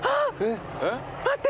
待って。